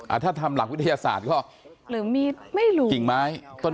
อาจถ้าทำหลักวิทยาศาสตร์ก็กิ่งไม้ต้นไม้ไม่รู้